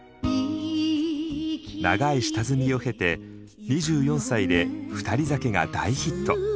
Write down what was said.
長い下積みを経て２４歳で「ふたり酒」が大ヒット。